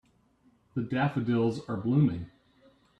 The daffodils are blooming.